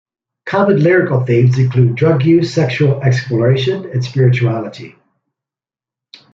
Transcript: Common lyrical themes include drug use, sexual exploration, and spirituality.